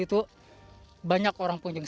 itu banyak orang pengunjung